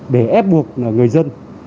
để ép buộc người dân